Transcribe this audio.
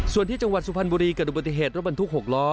ส่วนที่จังหวัดสุภัณฑ์บุรีกระดุบัติเหตุรบรรทุกหกล้อ